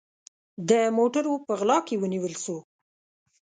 د موټروپه غلا کې ونیول سو